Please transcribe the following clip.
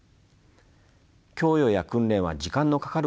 供与や訓練は時間のかかることであります。